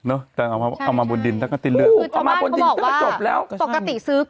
เอามาบนดินเอาก็ติดเลือก